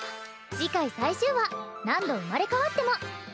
次回最終話「何度生まれ変わっても」